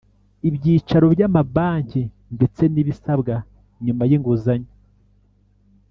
Ibyicaro By amabanki ndetse n ibisabwa nyuma y’inguzanyo